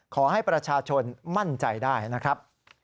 ขอให้ประชาชนมั่นใจได้นะครับ